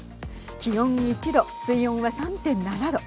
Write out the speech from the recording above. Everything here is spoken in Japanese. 気温１度、水温は３．７度。